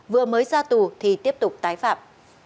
vừa mới ra tù thì tiếp tục tái phạm